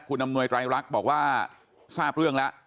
คุณอำนวยไตรรักบอกว่าทราบเรื่องแล้ว